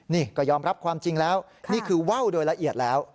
นี่ก็ยอมรับความจริงแล้วนี่คือว่าวโดยละเอียดแล้ว